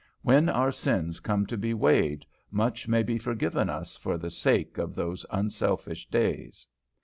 When our sins come to be weighed, much may be forgiven us for the sake of those unselfish days."